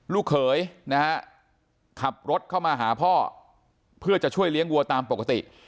ลูกเขยนะฮะขับรถเข้ามาหาพ่อเพื่อจะช่วยเลี้ยงวัวตามปกติ